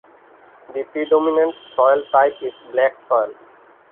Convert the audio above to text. The predominant soil type is black soil.